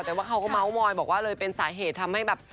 แต่ว่าเขาก็เมาส์มอยบอกว่าเลยเป็นสาเหตุทำให้แบบ